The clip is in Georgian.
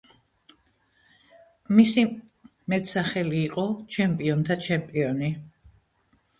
მისი მეტსახელი იყო „ჩემპიონთა ჩემპიონი“.